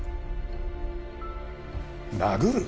殴る！？